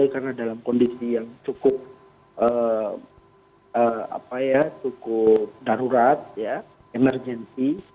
karena dalam kondisi yang cukup darurat emergensi